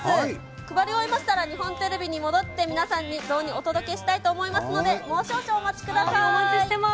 配り終えましたら、日本テレビに戻って、皆さんに雑煮、お届けしたいなと思いますので、もう少々お待ちくお待ちしてます。